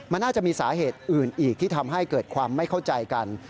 มันน่าจะมีสาเหตุอื่นอีกที่ทำให้เกิดความไม่เข้าใจกัน